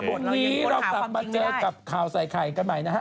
พรุ่งนี้เรากลับมาเจอกับข่าวใส่ไข่กันใหม่นะฮะ